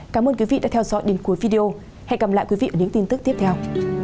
cảm ơn quý vị đã theo dõi đến cuối video hẹn gặp lại quý vị ở những tin tức tiếp theo